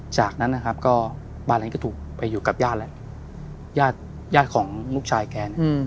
จากนั้นนะครับก็บ้านนั้นก็ถูกไปอยู่กับญาติแล้วญาติญาติของลูกชายแกเนี่ย